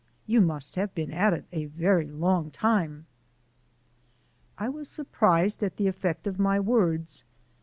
You must have been at it a very long time." I was surprised at the effect of my words.